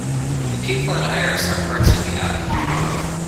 The pupil and iris are parts of the eye.